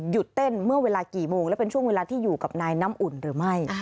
เต้นเมื่อเวลากี่โมงและเป็นช่วงเวลาที่อยู่กับนายน้ำอุ่นหรือไม่